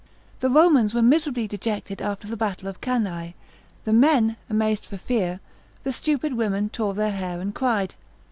The Romans were miserably dejected after the battle of Cannae, the men amazed for fear, the stupid women tore their hair and cried.